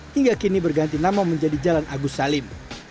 hingga kini berganti nama menjadi jalan agus salim